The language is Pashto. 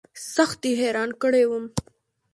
سخت يې حيران کړى وم.